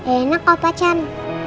enak om ajan